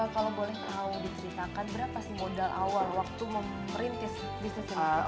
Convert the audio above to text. kalau boleh tahu diceritakan berapa modal awal waktu memperintis bisnis ini